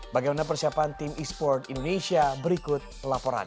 bagaimana persiapan tim e sport indonesia berikut laporan